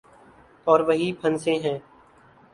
اوروہیں پھنسے ہیں۔